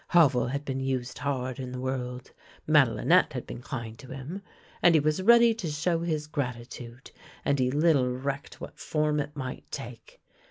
Havel had been used hard in the world, Madelinette had been kind to him, and he was ready to show his gratitude; and he little recked what form it might take.